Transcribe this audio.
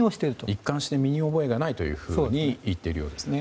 一貫して身に覚えがないと言っているようですね。